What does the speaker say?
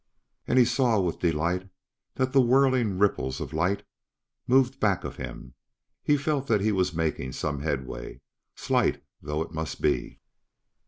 And he saw with delight that the whirling ripples of light moved back of him; he felt that he was making some headway, slight though it must be.